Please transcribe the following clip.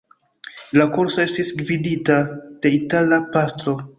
La kurso estis gvidita de itala pastro.